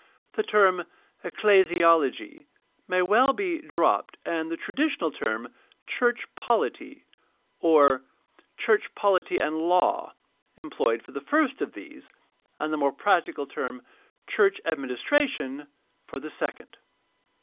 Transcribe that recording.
The term " ecclesiology " may well be dropped and the traditional term ''church pohty" or ''church poHty and law " employed for the first of these, and the more prac tical term "church administration" for the second.